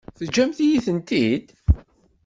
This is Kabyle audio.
Teǧǧamt-iyi-tent-id?